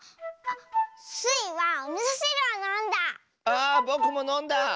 あぼくものんだ！